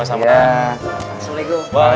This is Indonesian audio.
waalaikumsalam warahmatullahi wabarakatuh